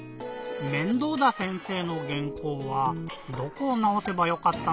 面倒田先生のげんこうはどこをなおせばよかったのかなぁ？